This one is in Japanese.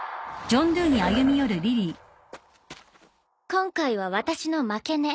今回は私の負けね。